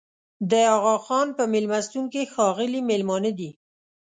د اغاخان په مېلمستون کې ښاغلي مېلمانه دي.